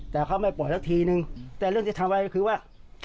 แต่เขาไม่ปล่อยสักทีนึงแต่เรื่องที่ทำไว้ก็คือว่า